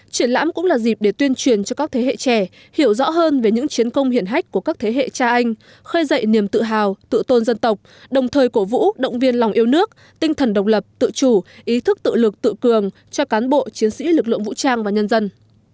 triển lãm cũng là dịp để tuyên truyền cho các thế hệ trẻ hiểu rõ hơn về những chiến công hiển hách của các thế hệ cha anh khơi dậy niềm tự hào tự tôn dân tộc đồng thời cổ vũ động viên lòng yêu nước tinh thần độc lập tự chủ ý thức tự lực tự cường cho cán bộ chiến sĩ lực lượng vũ trang và nhân dân